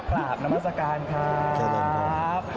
กราบนามศกาลครับ